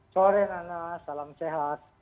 sore nana salam sehat